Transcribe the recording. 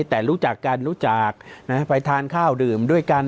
แต่รู้จักกันรู้จักไปทานข้าวดื่มด้วยกัน